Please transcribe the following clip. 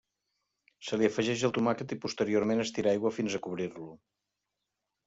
Se li afegeix el tomàquet i posteriorment es tira aigua fins a cobrir-ho.